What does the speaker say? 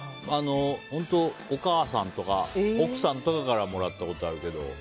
お母さんとか奥さんとかからもらったことはあるけど。